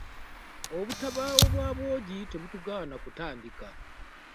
Obutabaawo bwa Bwogi tebutugaana kutandika.